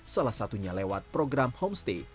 salah satunya lewat program homestay